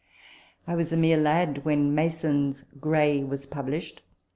" I was a mere lad when Mason's " Gray" was pub lished.